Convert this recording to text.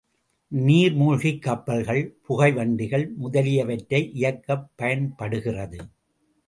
நீர்மூழ்கிக் கப்பல்கள், புகைவண்டிகள் முதலியவற்றை இயக்கப் பயன்படுகிறது.